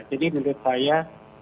jadi menurut saya